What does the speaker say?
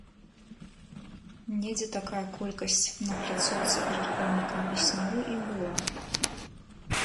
Недзе такая колькасць на пляцоўцы перад помнікам песняру і была.